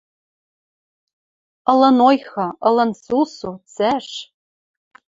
Ылын ойхы, ылын сусу, цӓш.